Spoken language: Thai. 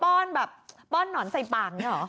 ป้อนแบบป้อนหนอนใส่ปากนี่หรอ